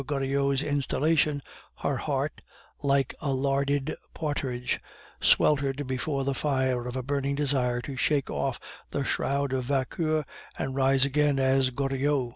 Goriot's installation, her heart, like a larded partridge, sweltered before the fire of a burning desire to shake off the shroud of Vauquer and rise again as Goriot.